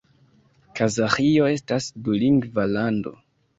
Kazaĥio estas dulingva lando.